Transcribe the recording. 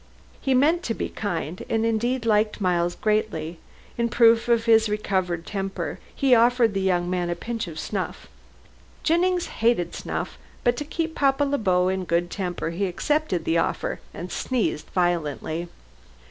He meant to be kind, and indeed liked Miles greatly. In proof of his recovered temper, he offered the young man a pinch of snuff. Jennings hated snuff, but to keep Papa Le Beau in a good temper he accepted the offer and sneezed violently.